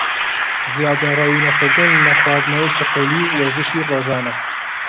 زیادەڕەوی نەکردن لە خواردنەوەی کحولی و وەرزشی رۆژانە